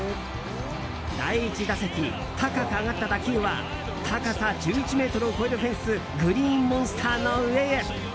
第１打席、高く上がった打球は高さ１１ｍを超えるフェンスグリーンモンスターの上へ。